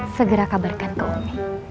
segera kabarkan ke umi